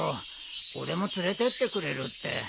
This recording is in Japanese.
俺も連れてってくれるって。